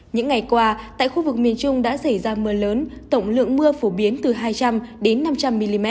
những ngày qua tại khu vực miền trung đã xảy ra mưa lớn tổng lượng mưa phổ biến từ hai trăm linh đến năm trăm linh mm